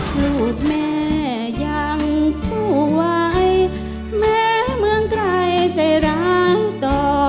หลุดแม่ยังสวยแม่เมืองใกล้ใจร้ายต่อ